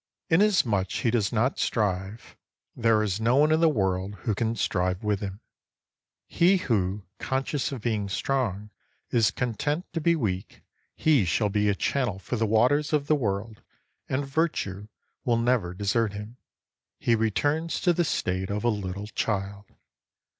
Inasmuch as he does not strive, there 33 is no one in the world who can strive with him. He who, conscious of being strong, is content to be weak, — he shall be a channel for the waters of the world, and Virtue will never desert him. He returns to the state of a little child.